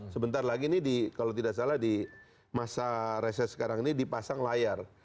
sebentar lagi ini kalau tidak salah di masa reses sekarang ini dipasang layar